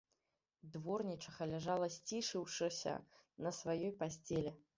Дворнічыха ляжала, сцішыўшыся на сваёй пасцелі.